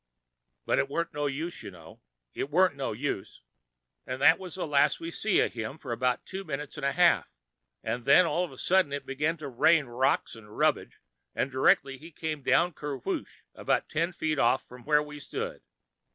But it warn't no use, you know, it[Pg 147] warn't no use. An' that was the last we see of him for about two minutes 'n' a half, an' then all of a sudden it begin to rain rocks and rubbage an' directly he come down ker whoop about ten foot off f'm where we stood.